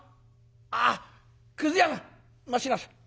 ああっくず屋さん待ちなさい。